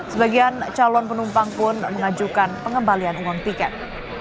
sebagian calon penumpang pun mengajukan pengembalian uang tiket